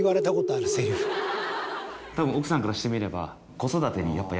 たぶん奥さんからしてみれば。